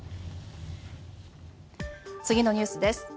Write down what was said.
次のニュースです。